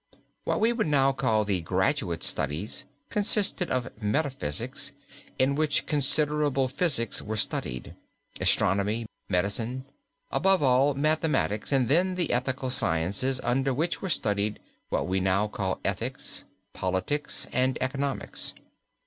What we would now call the graduate studies consisted of metaphysics, in which considerable physics were studied, astronomy, medicine, above all, mathematics, and then the ethical sciences, under which were studied what we now call ethics, politics and economics.